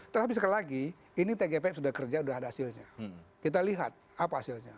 tetapi sekali lagi ini tgpf sudah kerja sudah ada hasilnya kita lihat apa hasilnya